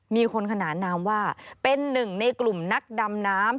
มีคนขนานนามว่าเป็นหนึ่งในกลุ่มนักดำน้ำ